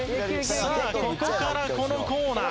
さあここからこのコーナー。